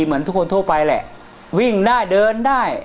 เหมือนทุกคนทั่วไปแหละวิ่งได้เดินได้